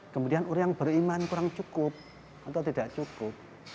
kemudian orang beriman kurang cukup atau tidak cukup